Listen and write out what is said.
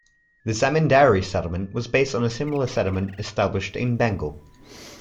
The zamindari settlement was based on a similar settlement established in Bengal.